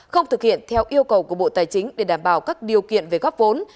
không thực hiện theo yêu cầu của bộ tài chính để đảm bảo các điều kiện về góp vốn